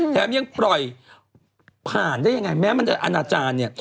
แถมยังปล่อยผ่านได้ยังไงแม้มันจะอนาจารย์เนี่ย